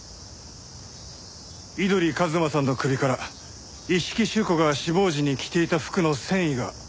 井鳥一馬さんの首から一色朱子が死亡時に着ていた服の繊維が発見されました。